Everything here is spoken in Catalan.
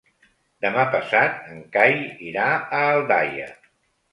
Demà passat en Cai irà a Aldaia.